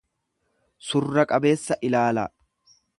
surra qabeessa ilaalaa.